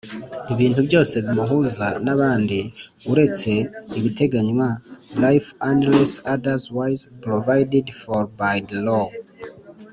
ibintu byose bimuhuza n abandi uretse ibiteganywa life unless otherwise provided for by the law